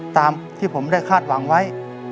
ตามที่ผมได้คาดหวังไว้